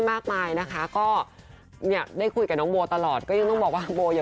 คำบางคำอาจจะทำให้น้องโบไม่สบายใจ